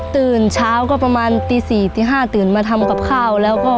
ตื่นเช้าก็ประมาณไปรอรถ